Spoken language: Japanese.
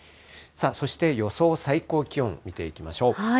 そして、予想最高気温見ていきましょう。